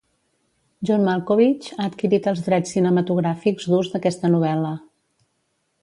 John Malkovich ha adquirit els drets cinematogràfics d'ús d'aquesta novel·la.